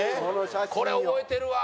これ覚えてるわ！